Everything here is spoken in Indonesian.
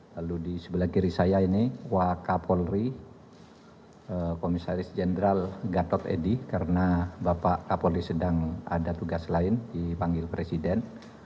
lalu di sebelah kiri saya ini wakapolri komisaris jenderal gatot edi karena bapak kapolri sedang ada tugas lain dipanggil presiden